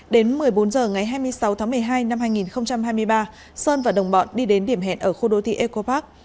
đến một mươi bốn h ngày hai mươi sáu tháng một mươi hai năm hai nghìn hai mươi ba sơn và đồng bọn đi đến điểm hẹn ở khu đô thị eco park